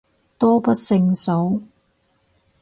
多不勝數